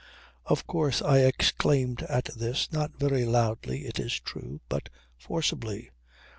Of course I exclaimed at this, not very loudly it is true, but forcibly.